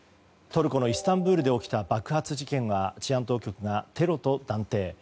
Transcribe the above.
トルコのイスタンブールで起きた爆発事件は治安当局がテロと断定。